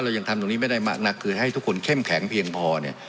ยังทำตรงนี้ไม่ได้มากนักคือให้ทุกคนเข้มแข็งเพียงพอเนี่ย